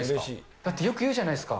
だってよく言うじゃないですか。